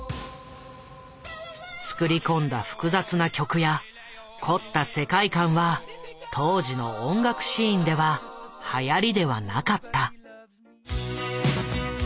つくり込んだ複雑な曲や凝った世界観は当時の音楽シーンでははやりではなかった。